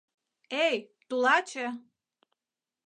— Эй, тулаче!..